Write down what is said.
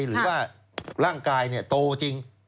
หรือว่าร่างกายโตจริง